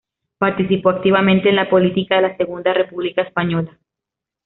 Participó activamente en la política de la Segunda República Española.